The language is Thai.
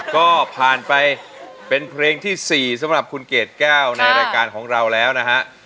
ก็ผ่านไปเป็นเพลงที่๔สำหรับคุณเกดแก้วในรายการของเราแล้วนะฮะ